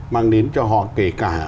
mang đến cho họ kể cả